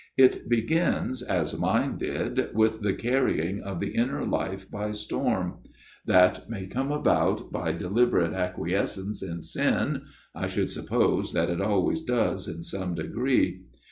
It begins, as mine did, with the carrying of the inner life by storm ; that may come about by deliberate acquiescence in sin I should suppose that it always does in some degree.